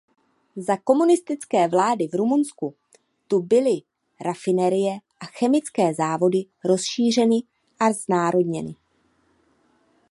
Za komunistické vlády v Rumunsku tu byly rafinerie a chemické závody rozšířeny a znárodněny.